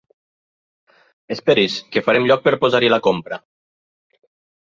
Esperi's que farem lloc per posar-hi la compra.